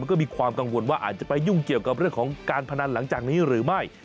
ก็มีความกังวลว่าอาจจะไปยุ่งเกี่ยวกับเรื่องของการพนันหลังจากนี้หรือไม่